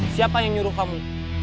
siapa yang nyuruh kamu